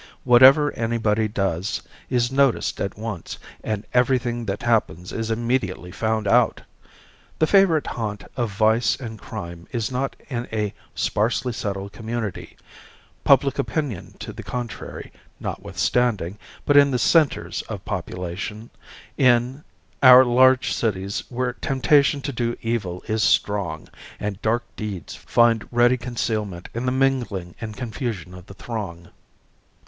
Whatever anybody does is noticed at once and everything that happens is immediately found out. The favorite haunt of vice and crime is not in a sparsely settled community, public opinion to the contrary notwithstanding, but in the centers of population, in, our large cities where temptation to do evil is strong and dark deeds find ready concealment in the mingling and confusion of the throng.